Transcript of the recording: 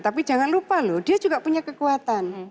tapi jangan lupa loh dia juga punya kekuatan